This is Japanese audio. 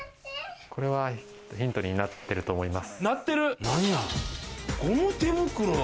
これはヒントになってると思います。